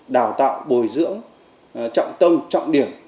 đào tạo bồi dưỡng trọng tâm trọng điểm